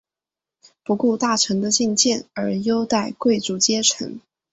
不顾大臣的进谏而优待贵族阶层。